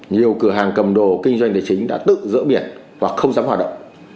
nhiều cửa hàng cầm đồ kinh doanh tài chính đã tự dỡ biệt và không dám hoạt động